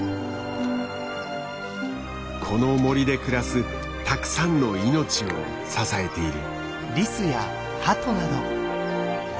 この森で暮らすたくさんの命を支えている。